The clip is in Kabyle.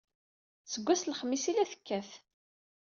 Seg wass n lexmis ay la tekkat.